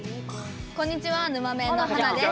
こんにちはぬまメンの華です。